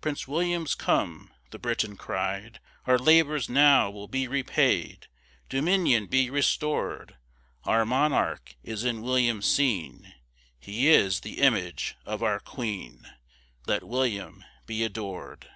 "Prince William's come!" the Briton cried "Our labors now will be repaid Dominion be restored Our monarch is in William seen, He is the image of our queen, Let William be adored!"